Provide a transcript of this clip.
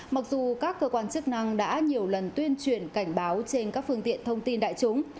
mặc dù các cơ quan chức năng đã nhiều lần tuyên truyền cảnh báo trên các phương tiện thông tin đại chúng